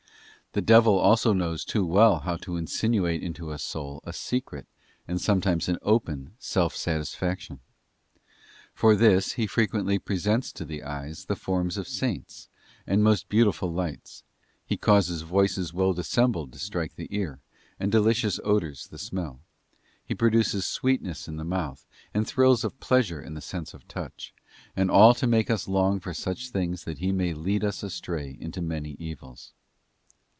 The devil also knows too well how to insinuate into the soul a secret, and some times an open, self satisfaction. For this end he frequently presents to the eyes the forms of Saints, and most beau tiful lights; he causes voices well dissembled to strike the ear, and delicious odours the smell; he produces sweetness in the mouth, and thrills of pleasure in the sense of touch; 91 and all to make us long for such things that he may lead us astray into many evils.